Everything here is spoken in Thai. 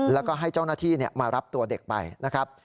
แล้วก็ให้เจ้าหน้าที่มารับตัวเด็กไปนะครับ